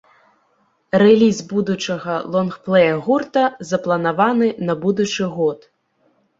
Рэліз будучага лонгплэя гурта запланаваны на будучы год.